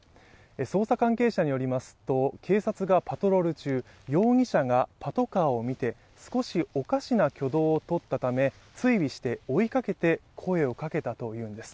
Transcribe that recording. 捜査関係者によりますと警察がパトロール中、容疑者がパトカーを見て少しおかしな挙動を取ったため追尾して追いかけて声をかけたというんです。